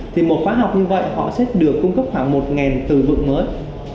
thì một khóa học như vậy họ sẽ được cung cấp khoảng một từ vực mới